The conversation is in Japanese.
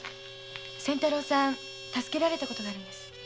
仙太郎さん助けられたことがあるんです。